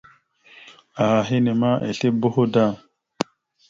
Aha henne ma esle boho da.